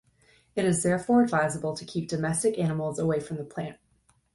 It is therefore advisable to keep domestic animals away from the plant.